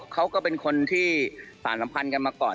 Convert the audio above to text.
เขาก็เป็นคนที่สารสัมพันธ์กันมาก่อน